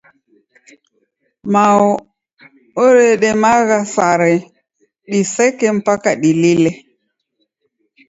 Mao oredemagha sare diseke mpaka dilile.